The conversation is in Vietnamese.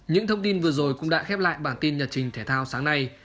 những thông tin vừa rồi cũng đã khép lại bản tin nhật trình thể thao sáng nay